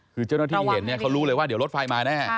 คือเจ้าหน้าที่เห็นเนี่ยเขารู้เลยว่าเดี๋ยวรถไฟมาแน่